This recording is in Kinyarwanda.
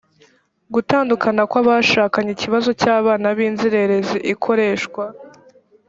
gutandukana kw abashakanye ikibazo cy abana b inzererezi ikoreshwa